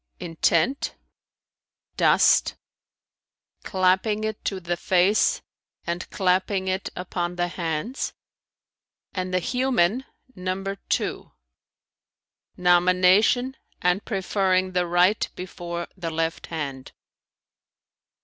intent, dust, clapping it to the face and clapping it upon the hands; and the human number two, nomination and preferring the right before the left hand."